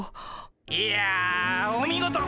いやお見事！